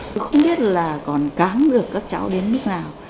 tôi không biết là còn cám được các cháu đến lúc nào